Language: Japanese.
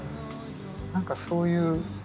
何かそういう。